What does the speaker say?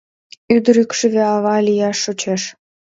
Ӱдыр икшыве ава лияш шочеш.